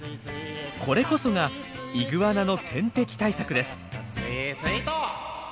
これこそがイグアナの天敵対策です。